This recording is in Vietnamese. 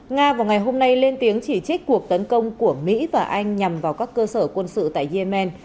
nga vào ngày hôm nay lên tiếng chỉ trích cuộc tấn công của mỹ và anh nhằm vào các cơ sở quân sự tại yemen